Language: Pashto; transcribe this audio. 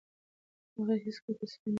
هغې هیڅکله تسلي نه وه راکړې.